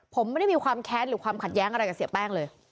ผมไม่ได้มีความแค้นหรือความขัดแย้งอะไรกับเสียแป้งเลย